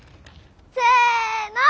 せの。